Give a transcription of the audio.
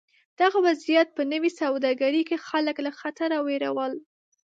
دغه وضعیت په نوې سوداګرۍ کې خلک له خطره وېرول.